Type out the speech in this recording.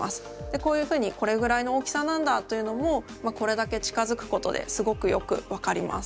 こういうふうにこれぐらいの大きさなんだというのもこれだけ近づくことですごくよく分かります。